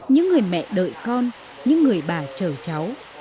những người mẹ đợi con những người bà trở cháu